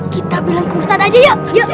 kita bilang ke mustad aja ya